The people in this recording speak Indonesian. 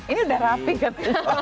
ini udah rapi kan